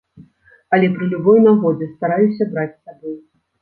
Але пры любой нагодзе стараюся браць з сабой.